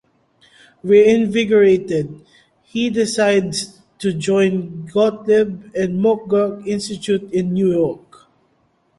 Reinvigorated, he decides to join Gottlieb at the McGurk Institute in New York.